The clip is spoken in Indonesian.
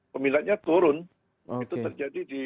peminatnya turun itu terjadi